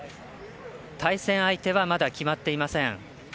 対戦相手はまだ決まっていません。